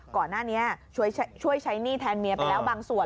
ก่อนหน้านี้ช่วยใช้หนี้แทนเมียไปแล้วบางส่วน